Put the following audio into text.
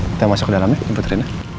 kita masuk ke dalam ya ikut rina